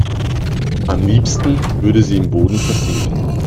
Am liebsten würde sie im Boden versinken.